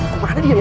kemana dia ya